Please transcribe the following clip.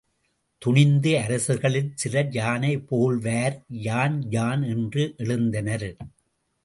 துணிந்து அரசர்களில் சிலர் யானை போல்வார், யான், யான் என்று எழுந்தனர்.